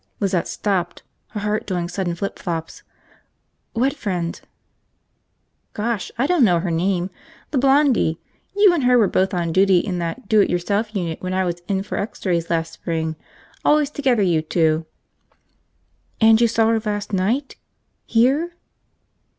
Lizette stopped, her heart doing sudden flip flops. "What friend?" "Gosh, I dunno her name. The blondie. You an' her were both on duty in that do it yourself unit when I was in for X rays last spring. Always together, you two." "And you saw her last night? Here?"